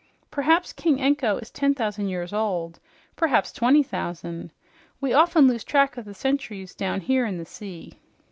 Perhaps King Anko is ten thousand years old, perhaps twenty thousand. We often lose track of the centuries down here in the sea."